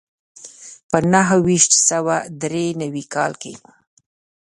په نهه ویشت سوه دري نوي کال کې.